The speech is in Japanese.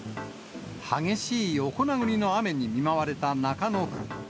激しい横殴りの雨に見舞われた中野区。